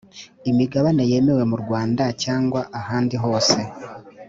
imigabane yemewe mu Rwanda cyangwa ahandi hose